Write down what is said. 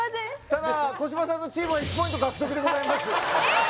ただ小芝さんのチームは１ポイント獲得でございますえっ！？